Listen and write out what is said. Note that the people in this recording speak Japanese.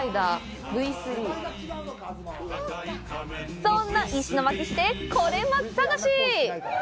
そんな石巻市で、コレうま探し！